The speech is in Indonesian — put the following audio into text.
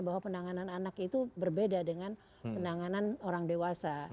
bahwa penanganan anak itu berbeda dengan penanganan orang dewasa